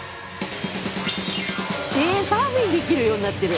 えサーフィンできるようになってる！